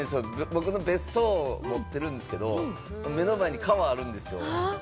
僕、別荘を持ってるんですけれども、目の前に川あるんですよ。